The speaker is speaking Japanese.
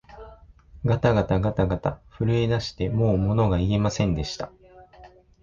がたがたがたがた、震えだしてもうものが言えませんでした